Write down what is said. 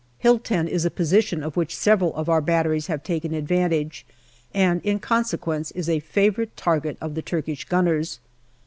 Hill 10 is a position of which several of our batteries have taken advantage, and in conse quence is a favourite target of the Turkish gunners.